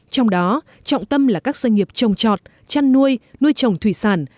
trong đó trọng tâm là các doanh nghiệp trồng trọt chăn nuôi nuôi trồng thủy sản